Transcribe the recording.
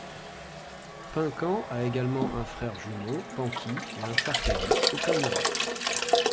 Pinkan a également un frère jumeau, Panky et un frère cadet, Okamura.